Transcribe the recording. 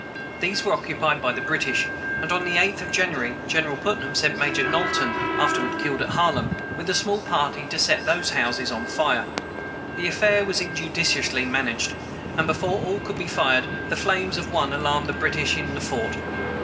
These were occupied by the British; and, on the 8th of January, General Putnam sent Major Knowlton (afterward killed at Harlem), with a small party, to set those houses on fire. The affair was injudiciously managed, and, before all could be fired, the flames of one alarmed the British in the fort.